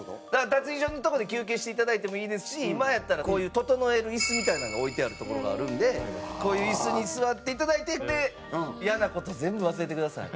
脱衣所のとこで休憩していただいてもいいですし今やったらこういうととのえるイスみたいなのが置いてある所があるんでこういうイスに座っていただいてイヤな事全部忘れてください。